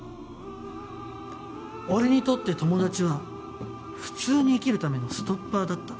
俺にとって友達は普通に生きるためのストッパーだった。